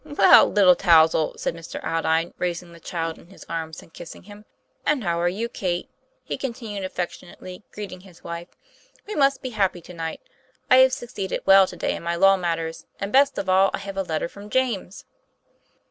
"Well, little Touzle," said Mr. Aldine, raising the child in his arms and kissing him, " and how are you, Kate ?" he continued, affectionately greet ing his wife. ' We must be happy to night. I have succeeded well to day in my law matters; and, best of all, I have a letter from James."